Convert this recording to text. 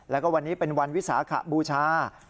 แล้วก็วันนี้เป็นวันวิสาขบูชา